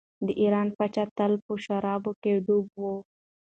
د ایران پاچا تل په شرابو کې ډوب و.